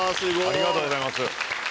ありがとうございます。